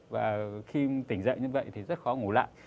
và khi tỉnh dậy như vậy thì rất khó ngủ lại